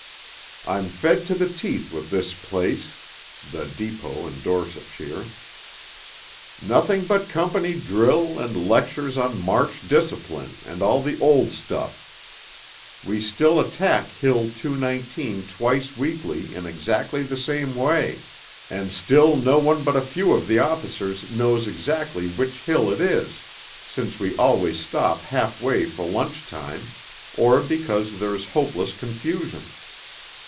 I'm fed to the teeth with this place_ (the Depot, in Dorsetshire); _nothing but company drill and lectures on march discipline, and all the old stuff. We still attack Hill 219 twice weekly in exactly the same way, and still no one but a few of the officers knows exactly which hill it is, since we always stop halfway for lunch time, or because there's hopeless confusion....